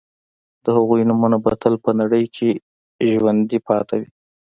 د هغوی نومونه به تل په نړۍ کې ژوندي پاتې وي